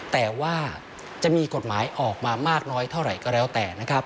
แต่ว่าจะมีกฎหมายออกมามากน้อยเท่าไหร่ก็แล้วแต่นะครับ